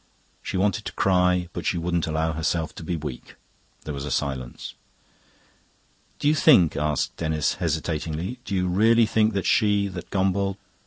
She wanted to cry, but she wouldn't allow herself to be weak. There was a silence. "Do you think," asked Denis hesitatingly "do you really think that she...that Gombauld..."